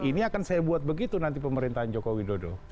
ini akan saya buat begitu nanti pemerintahan jokowi dondok